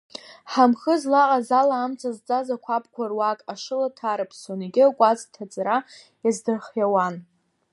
Ҳамхы злаҟаз ала амца зҵаз ақәабқәа руак ашыла ҭарыԥсон, егьи акәац ҭаҵара иаздырхиауан.